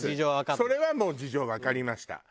それはもう事情わかりました。